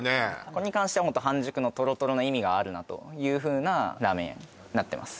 これに関しては半熟のトロトロの意味があるなというふうなラーメンになってます